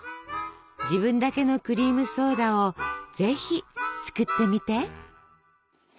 自分だけのクリームソーダをぜひ作ってみて。